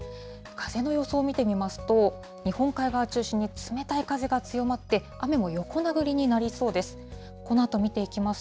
風の予想を見てみますと、日本海側中心に冷たい風が強まって、雨も横殴りになりそうです。